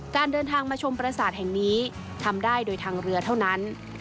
เดินทางมาชมประสาทแห่งนี้ทำได้โดยทางเรือเท่านั้น